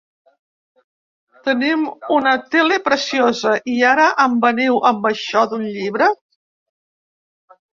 Tenim una tele preciosa i ara em veniu amb això d’un llibre.